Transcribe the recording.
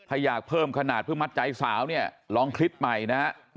ถ้าอยากเพิ่มขนาดเพื่อมัดใจสาวเนี่ยลองคลิปใหม่นะฮะ